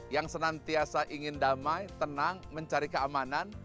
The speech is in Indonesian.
yang senantiasa ingin damai tenang mencari keamanan